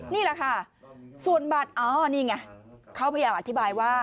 นี่แหละค่ะส่วนบัตรอ๋อนี่ไงเขาพยายามอธิบายว่า